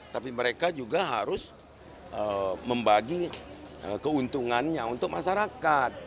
tapi mereka juga harus membagi keuntungannya untuk masyarakat